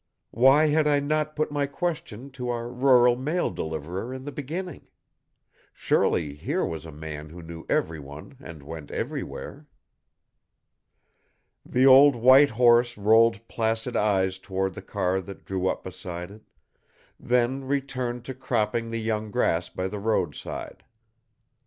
Why had I not put my question to our rural mail deliverer in the beginning? Surely here was a man who knew everyone and went everywhere! The old white horse rolled placid eyes toward the car that drew up beside it, then returned to cropping the young grass by the roadside.